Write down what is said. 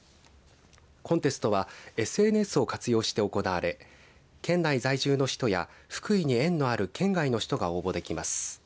コンテストはＳＮＳを活用して行われ県内在住の人や福井に縁のある県外の人が応募できます。